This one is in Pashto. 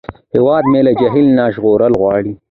هیواد مې له جهل نه ژغورل غواړي